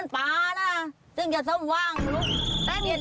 นะยังว่าส้มวงได้เป็นยังไงลุก